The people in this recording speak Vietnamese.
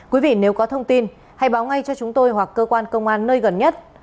quý vị nếu có thông tin hãy báo ngay cho chúng tôi hoặc cơ quan công an nơi gần nhất